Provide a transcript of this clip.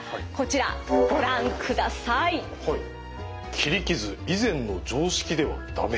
「切り傷以前の常識ではダメ」？